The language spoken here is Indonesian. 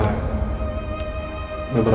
saya juga melakukan itu dengan elsa